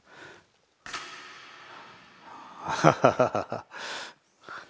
ハハハハハ。